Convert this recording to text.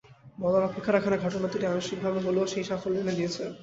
বলার অপেক্ষা রাখে না, ঘটনা দুটি আংশিকভাবে হলেও সেই সাফল্য এনে দিয়েছে।